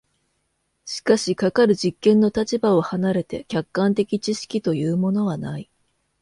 しかしかかる実験の立場を離れて客観的知識というものはない。